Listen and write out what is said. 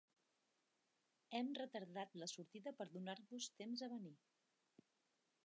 Hem retardat la sortida per donar-vos temps a venir.